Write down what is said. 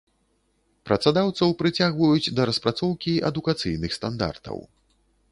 Працадаўцаў прыцягваюць да распрацоўкі адукацыйных стандартаў.